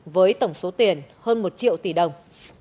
với tổng số tiền hơn một triệu tỷ đồng